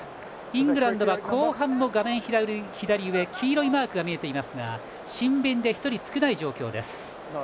イングランドは後半も画面左上黄色いマークが見えていますがシンビンで１人少ない状況です。